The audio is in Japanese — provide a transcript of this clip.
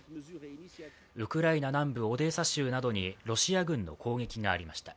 ウクライナ南部オデーサ州などにロシア軍の攻撃がありました。